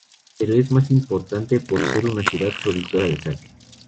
Pero es más importante por ser una ciudad productora de sake.